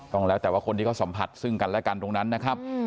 แล้วแต่ว่าคนที่เขาสัมผัสซึ่งกันและกันตรงนั้นนะครับ